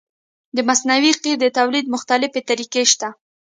د مصنوعي قیر د تولید مختلفې طریقې شته